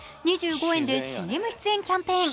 ２５円でＣＭ出演キャンペーン。